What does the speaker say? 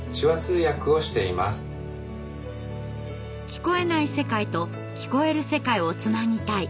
聞こえない世界と聞こえる世界をつなぎたい。